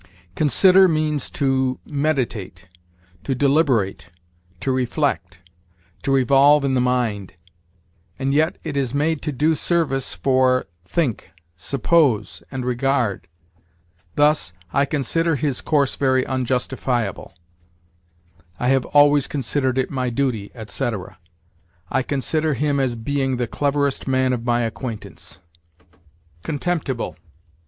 Consider means, to meditate, to deliberate, to reflect, to revolve in the mind; and yet it is made to do service for think, suppose, and regard. Thus: "I consider his course very unjustifiable"; "I have always considered it my duty," etc.; "I consider him as being the cleverest man of my acquaintance." CONTEMPTIBLE.